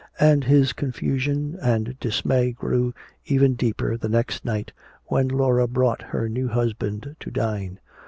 And his confusion and dismay grew even deeper the next night when Laura brought her new husband to dine.